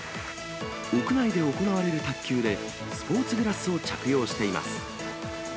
屋内で行われる卓球で、スポーツグラスを着用しています。